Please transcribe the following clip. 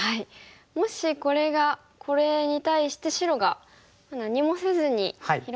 もしこれに対して白が何もせずに広げていくと。